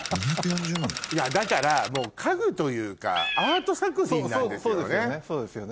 ・２４０万・いやだからもう家具というかアート作品なんですよね。